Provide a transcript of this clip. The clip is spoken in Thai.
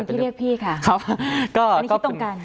พี่เรียกพี่ค่ะก็อันนี้คิดตรงกัน